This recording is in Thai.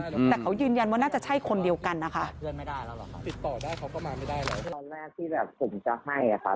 แต่เขายืนยันว่าน่าจะใช่คนเดียวกันนะคะ